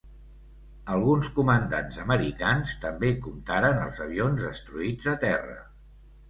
Alguns comandants americans també comptaren els avions destruïts a terra.